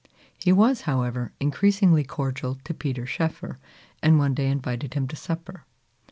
He was, however, increasingly cordial to Peter Schoeffer, and one day invited him to supper.